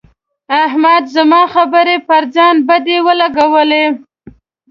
احمد زما خبره پر ځان بده ولګوله.